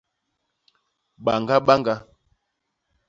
Bañga bañga.